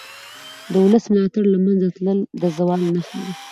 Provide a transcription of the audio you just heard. د ولس ملاتړ له منځه تلل د زوال نښه ده